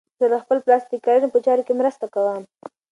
زه له خپل پلار سره د کرنې په چارو کې مرسته کوم.